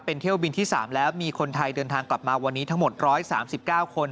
เป็นเที่ยวบินที่๓แล้วมีคนไทยเดินทางกลับมาวันนี้ทั้งหมด๑๓๙คน